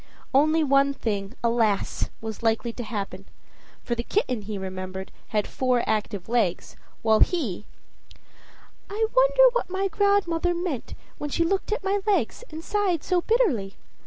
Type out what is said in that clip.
Only one thing, alas! was likely to happen; for the kitten, he remembered, had four active legs, while he "I wonder what my godmother meant when she looked at my legs and sighed so bitterly?